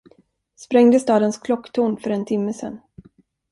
Sprängde stadens klocktorn för en timme sen.